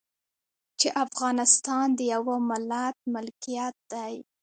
چې افغانستان د يوه ملت ملکيت دی.